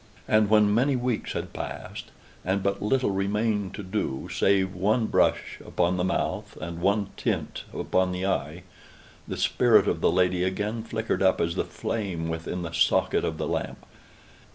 And when many weeks had passed, and but little remained to do, save one brush upon the mouth and one tint upon the eye, the spirit of the lady again flickered up as the flame within the socket of the lamp.